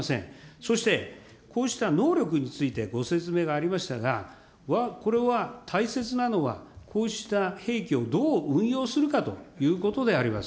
そして、こうした能力についてご説明がありましたが、これは大切なのは、こうした兵器をどう運用するかということであります。